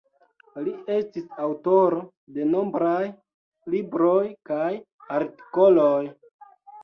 Li estis aŭtoro de nombraj libroj kaj artikoloj.